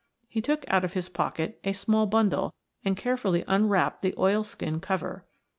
He took out of his pocket a small bundle and carefully unwrapped the oil skin cover.